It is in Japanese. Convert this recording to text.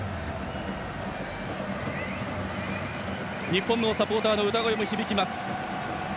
日本のサポーターの歌声も響きます。